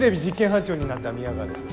班長になった宮川です。